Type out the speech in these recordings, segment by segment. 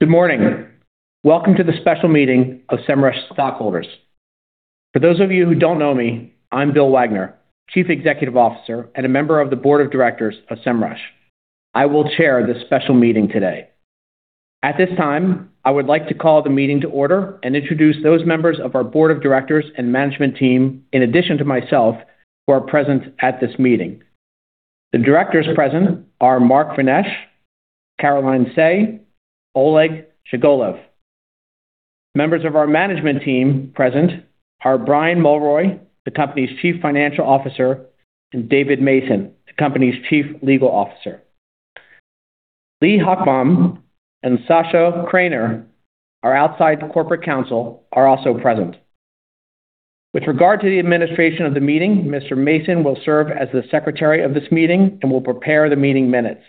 Good morning. Welcome to the special meeting of Semrush stockholders. For those of you who don't know me, I'm Bill Wagner, Chief Executive Officer and a member of the Board of Directors of Semrush. I will chair this special meeting today. At this time, I would like to call the meeting to order and introduce those members of our Board of Directors and Management Team, in addition to myself, who are present at this meeting. The directors present are Mark Vranesh, Caroline Tsay, Oleg Shchegolev. Members of our Management Team present are Brian Mulroy, the Company's Chief Financial Officer, and David Mason, the Company's Chief Legal Officer. Lee Hochbaum and Sašo Kraner, our outside corporate counsel, are also present. With regard to the administration of the meeting, Mr. Mason will serve as the Secretary of this meeting and will prepare the meeting minutes.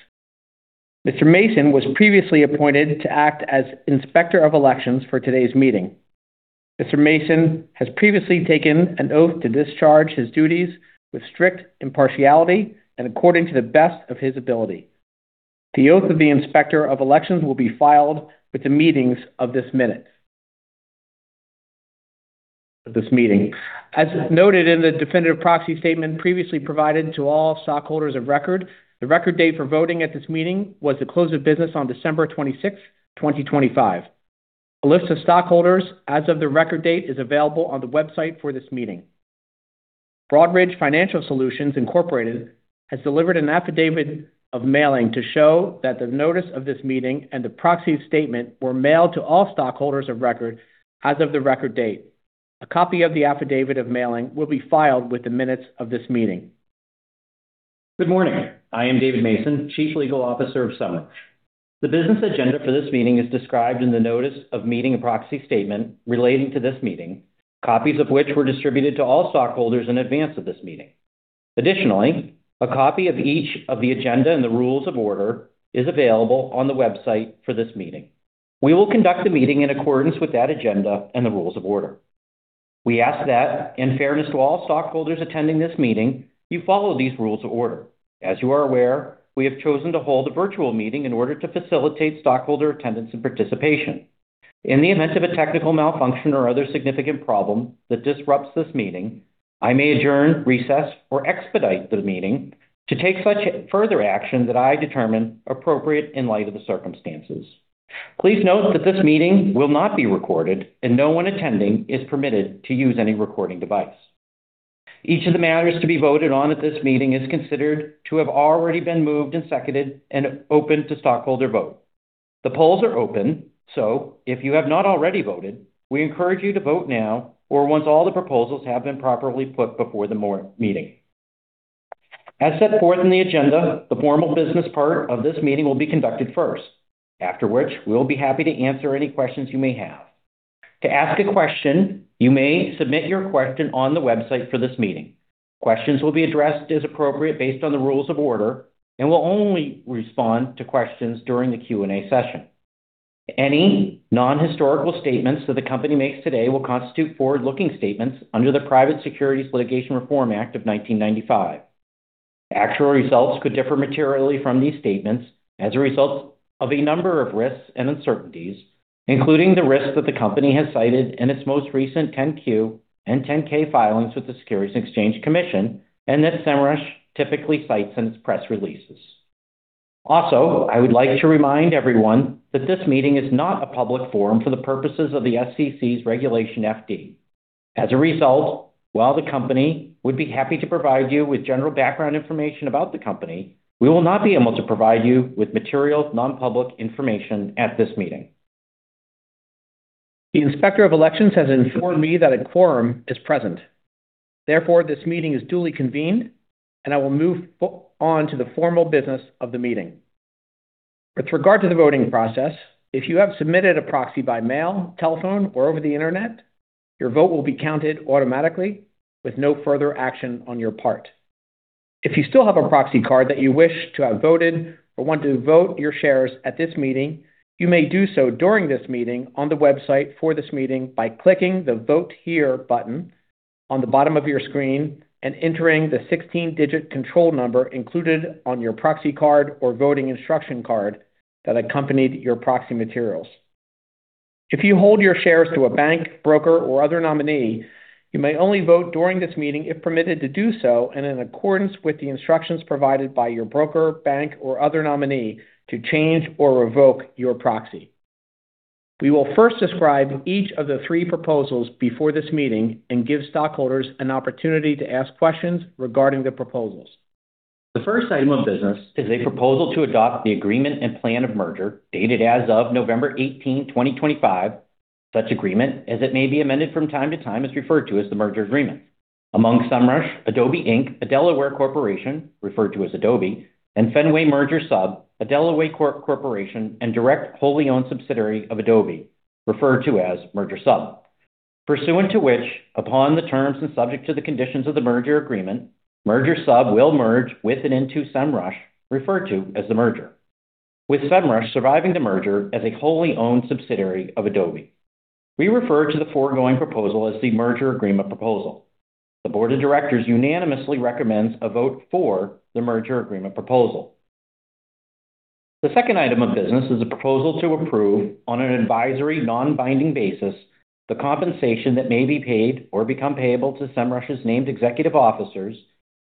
Mr. Mason was previously appointed to act as Inspector of Elections for today's meeting. Mr. Mason has previously taken an oath to discharge his duties with strict impartiality and according to the best of his ability. The oath of the Inspector of Elections will be filed with the minutes of this meeting. Of this meeting. As noted in the Definitive Proxy Statement previously provided to all stockholders of record, the record date for voting at this meeting was the close of business on December 26, 2025. A list of stockholders, as of the record date, is available on the website for this meeting. Broadridge Financial Solutions, Inc., has delivered an affidavit of mailing to show that the notice of this meeting and the proxy statement were mailed to all stockholders of record as of the record date. A copy of the affidavit of mailing will be filed with the minutes of this meeting. Good morning. I am David Mason, Chief Legal Officer of Semrush. The business agenda for this meeting is described in the notice of meeting and proxy statement relating to this meeting, copies of which were distributed to all stockholders in advance of this meeting. Additionally, a copy of each of the agenda and the rules of order is available on the website for this meeting. We will conduct the meeting in accordance with that agenda and the rules of order. We ask that, in fairness to all stockholders attending this meeting, you follow these rules of order. As you are aware, we have chosen to hold a virtual meeting in order to facilitate stockholder attendance and participation. In the event of a technical malfunction or other significant problem that disrupts this meeting, I may adjourn, recess, or expedite the meeting to take such further action that I determine appropriate in light of the circumstances. Please note that this meeting will not be recorded, and no one attending is permitted to use any recording device. Each of the matters to be voted on at this meeting is considered to have already been moved and seconded and open to stockholder vote. The polls are open, so if you have not already voted, we encourage you to vote now or once all the proposals have been properly put before the meeting. As set forth in the agenda, the formal business part of this meeting will be conducted first, after which we will be happy to answer any questions you may have. To ask a question, you may submit your question on the website for this meeting. Questions will be addressed as appropriate based on the rules of order and will only respond to questions during the Q&A session. Any non-historical statements that the Company makes today will constitute forward-looking statements under the Private Securities Litigation Reform Act of 1995. Actual results could differ materially from these statements as a result of a number of risks and uncertainties, including the risks that the Company has cited in its most recent 10-Q and 10-K filings with the Securities and Exchange Commission and that Semrush typically cites in its press releases. Also, I would like to remind everyone that this meeting is not a public forum for the purposes of the SEC's Regulation FD. As a result, while the Company would be happy to provide you with general background information about the Company, we will not be able to provide you with material non-public information at this meeting. The Inspector of Elections has informed me that a quorum is present. Therefore, this meeting is duly convened, and I will move on to the formal business of the meeting. With regard to the voting process, if you have submitted a proxy by mail, telephone, or over the Internet, your vote will be counted automatically with no further action on your part. If you still have a proxy card that you wish to have voted or want to vote your shares at this meeting, you may do so during this meeting on the website for this meeting by clicking the "Vote Here" button on the bottom of your screen and entering the 16-digit control number included on your proxy card or voting instruction card that accompanied your proxy materials. If you hold your shares through a bank, broker, or other nominee, you may only vote during this meeting if permitted to do so and in accordance with the instructions provided by your broker, bank, or other nominee to change or revoke your proxy. We will first describe each of the three proposals before this meeting and give stockholders an opportunity to ask questions regarding the proposals. The first item of business is a proposal to adopt the Agreement and Plan of Merger dated as of November 18, 2025. Such agreement, as it may be amended from time to time, is referred to as the Merger Agreement. Among Semrush, Adobe Inc., a Delaware corporation (referred to as Adobe), and Fenway Merger Sub, a Delaware corporation and direct wholly owned subsidiary of Adobe (referred to as Merger Sub). Pursuant to which, upon the terms and subject to the conditions of the Merger Agreement, Merger Sub will merge with and into Semrush, referred to as the Merger, with Semrush surviving the Merger as a wholly owned subsidiary of Adobe. We refer to the foregoing proposal as the Merger Agreement Proposal. The Board of Directors unanimously recommends a vote for the Merger Agreement Proposal. The second item of business is a proposal to approve, on an advisory non-binding basis, the compensation that may be paid or become payable to Semrush's named executive officers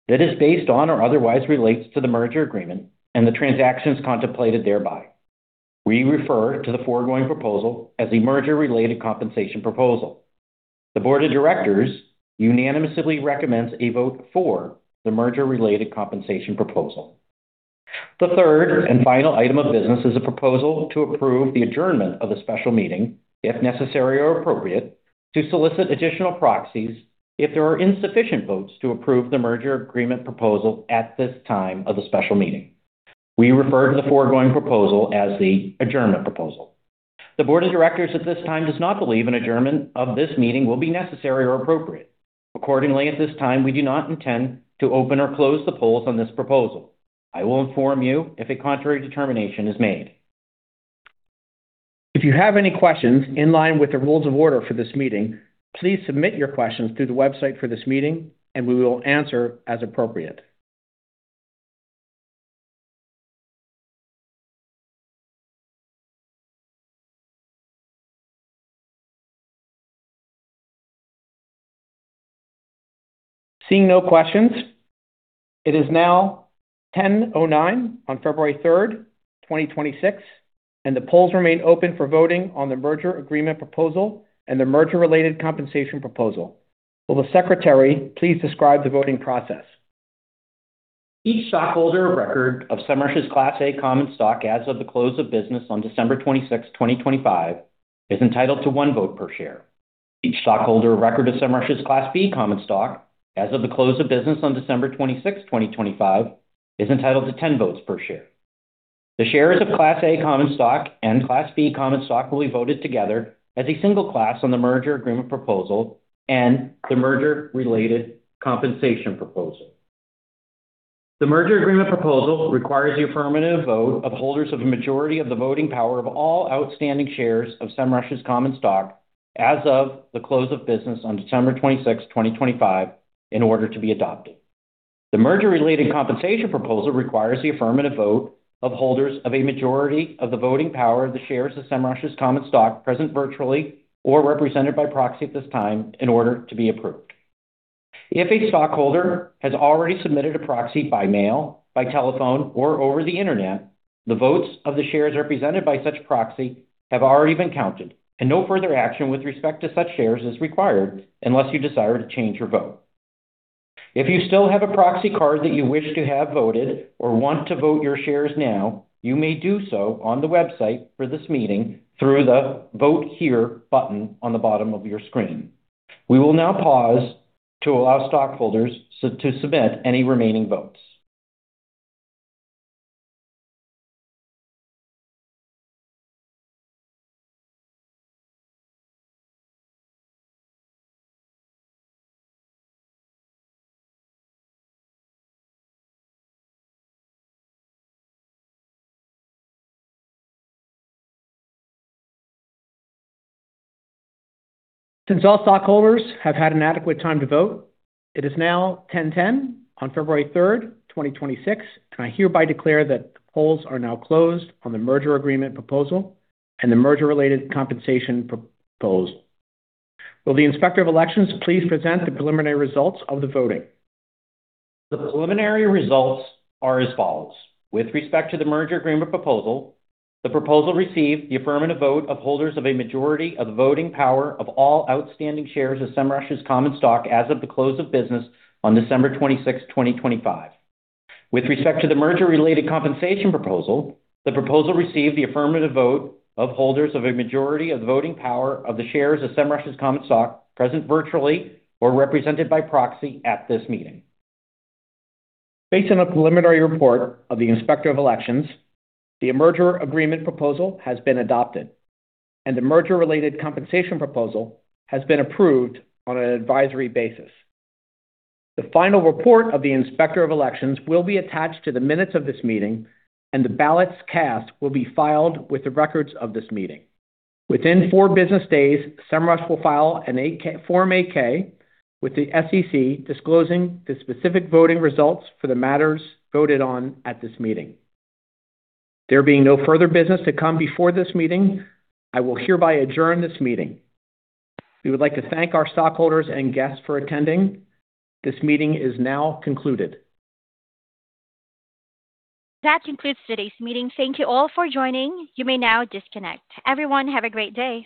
that is based on or otherwise relates to the Merger Agreement and the transactions contemplated thereby. We refer to the foregoing proposal as the Merger-related Compensation Proposal. The Board of Directors unanimously recommends a vote for the Merger-related Compensation Proposal. The third and final item of business is a proposal to approve the adjournment of the special meeting, if necessary or appropriate, to solicit additional proxies if there are insufficient votes to approve the Merger Agreement Proposal at this time of the special meeting. We refer to the foregoing proposal as the Adjournment Proposal. The Board of Directors at this time does not believe an adjournment of this meeting will be necessary or appropriate. Accordingly, at this time, we do not intend to open or close the polls on this proposal. I will inform you if a contrary determination is made. If you have any questions in line with the rules of order for this meeting, please submit your questions through the website for this meeting, and we will answer as appropriate. Seeing no questions, it is now 10:09 on February 3rd, 2026, and the polls remain open for voting on the Merger Agreement Proposal and the Merger-related Compensation Proposal. Will the Secretary please describe the voting process? Each stockholder of record of Semrush's Class A Common Stock as of the close of business on December 26, 2025, is entitled to one vote per share. Each stockholder of record of Semrush's Class B Common Stock as of the close of business on December 26, 2025, is entitled to 10 votes per share. The shares of Class A Common Stock and Class B Common Stock will be voted together as a single class on the Merger Agreement Proposal and the Merger-related Compensation Proposal. The Merger Agreement Proposal requires the affirmative vote of holders of a majority of the voting power of all outstanding shares of Semrush's Common Stock as of the close of business on December 26, 2025, in order to be adopted. The Merger-related Compensation Proposal requires the affirmative vote of holders of a majority of the voting power of the shares of Semrush's Common Stock present virtually or represented by proxy at this time in order to be approved. If a stockholder has already submitted a proxy by mail, by telephone, or over the Internet, the votes of the shares represented by such proxy have already been counted, and no further action with respect to such shares is required unless you desire to change your vote. If you still have a proxy card that you wish to have voted or want to vote your shares now, you may do so on the website for this meeting through the "Vote Here" button on the bottom of your screen. We will now pause to allow stockholders to submit any remaining votes. Since all stockholders have had an adequate time to vote, it is now 10:10 A.M. on February 3rd, 2026, and I hereby declare that the polls are now closed on the Merger Agreement Proposal and the Merger-related Compensation Proposal. Will the Inspector of Elections please present the preliminary results of the voting? The preliminary results are as follows. With respect to the Merger Agreement Proposal, the proposal received the affirmative vote of holders of a majority of the voting power of all outstanding shares of Semrush's Common Stock as of the close of business on December 26, 2025. With respect to the Merger-related Compensation Proposal, the proposal received the affirmative vote of holders of a majority of the voting power of the shares of Semrush's Common Stock present virtually or represented by proxy at this meeting. Based on the preliminary report of the Inspector of Elections, the Merger Agreement Proposal has been adopted, and the Merger-related Compensation Proposal has been approved on an advisory basis. The final report of the Inspector of Elections will be attached to the minutes of this meeting, and the ballots cast will be filed with the records of this meeting. Within four business days, Semrush will file a Form 8-K with the SEC disclosing the specific voting results for the matters voted on at this meeting. There being no further business to come before this meeting, I will hereby adjourn this meeting. We would like to thank our stockholders and guests for attending. This meeting is now concluded. That concludes today's meeting. Thank you all for joining. You may now disconnect. Everyone, have a great day.